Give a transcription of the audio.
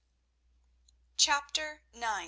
Chapter IX.